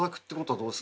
そうです。